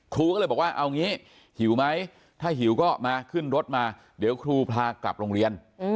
ครูก็เลยบอกว่าเอางี้หิวไหมถ้าหิวก็มาขึ้นรถมาเดี๋ยวครูพากลับโรงเรียน